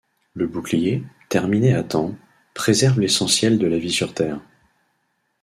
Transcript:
Le bouclier, terminé à temps, préserve l’essentiel de la vie sur Terre.